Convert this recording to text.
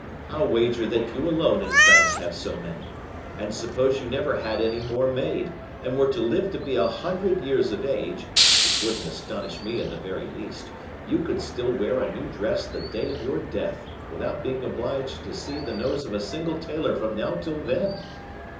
I'll wager that you alone in France have so many; and suppose you never had any more made, and were to live to be a hundred years of age, which wouldn't astonish me in the very least, you could still wear a new dress the day of your death, without being obliged to see the nose of a single tailor from now till then."